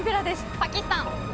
パキスタン。